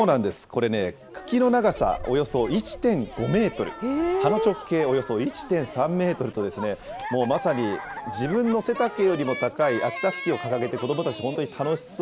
これね、茎の長さおよそ１．５メートル、葉の直径およそ１．３メートルと、もうまさに、自分の背丈よりも高い秋田ふきを掲げて子どもたち、本当に楽しそ